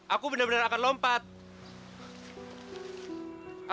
aku benar benar akan lompat